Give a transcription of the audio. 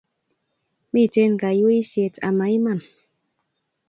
Mitei kaiyweisiet ama iman